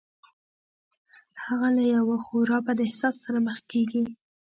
هغه له یوه خورا بد احساس سره مخ کېږي